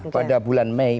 pada bulan mei